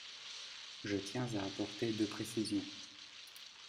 Je tiens à apporter deux précisions.